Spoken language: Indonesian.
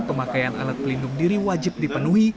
pemakaian alat pelindung diri wajib dipenuhi